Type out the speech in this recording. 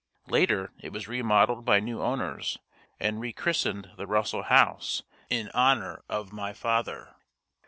Later it was remodeled by new owners and rechristened the Russell House in honor of my father.